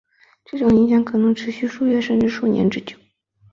这种影响可能持续数月甚至数年之久。